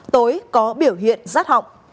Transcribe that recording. tối có biểu hiện rát họng